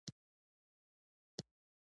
سفیر د ایران پاچا ته معرفي شو.